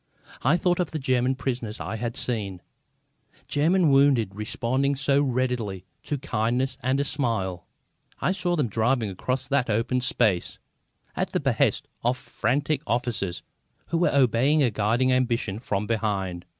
I thought of German prisoners I had seen, German wounded responding so readily to kindness and a smile. I saw them driven across that open space, at the behest of frantic officers who were obeying a guiding ambition from behind.